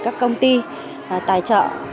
các công ty tài trợ